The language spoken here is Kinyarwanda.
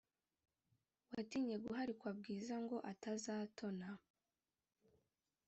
watinye guharikwa bwiza ngo atazatona